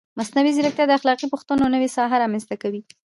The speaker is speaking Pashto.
مصنوعي ځیرکتیا د اخلاقي پوښتنو نوې ساحه رامنځته کوي.